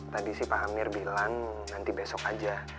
tadi si pak hamir bilang nanti besok aja